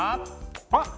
あっ！